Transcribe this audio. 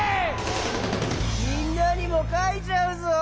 みんなにもかいちゃうぞ。